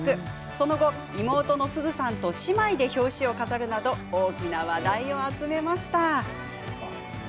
その後、妹のすずさんと姉妹で表紙を飾るなど大きな話題を集めました。